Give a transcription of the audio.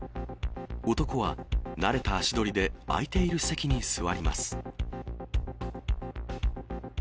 男は慣れた足取りで、空いている席に座ります。